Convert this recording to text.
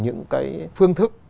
những cái phương thức